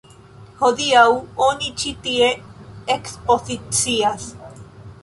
Hodiaŭ oni ĉi tie ekspozicias.